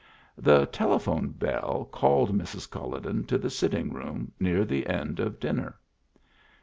The telephone bell called Mrs. Culloden to the sitting room near the end of dinner.